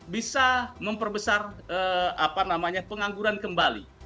bisa memperbesar pengangguran kembali